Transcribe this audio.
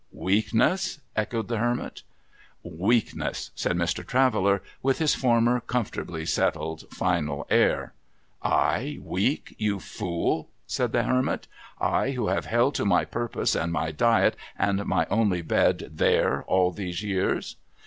' Weakness ?' echoed the Hermit. AN EXCELLENT DISINFECTANT 263 'Weakness,' said Mr. Traveller, with his former comfortably settled final air. ' I weak, you fool ?' said the Hermit, ' I, who have held to my purpose, and my diet, and my only bed there, all these years